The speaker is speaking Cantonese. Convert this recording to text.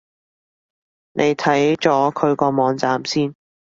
你睇咗佢個網站先